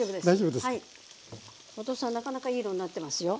後藤さんなかなかいい色になってますよ。